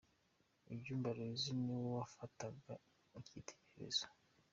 Inyumba Aloysia ni we yafataga nk’icyitegererezo.